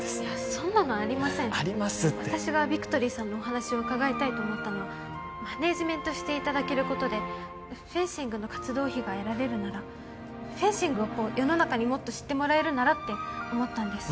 そんなのありませんありますって私がビクトリーさんのお話を伺いたいと思ったのはマネージメントしていただけることでフェンシングの活動費が得られるならフェンシングを世の中にもっと知ってもらえるならって思ったんです